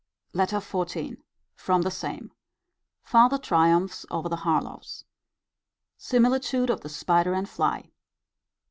LETTER XIV. From the same. Farther triumphs over the Harlowes. Similitude of the spider and fly.